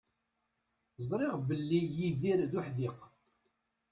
Ẓriɣ belli Yidir d uḥdiq.